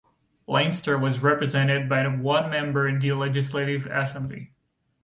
Leinster was represented by one member in the Legislative Assembly.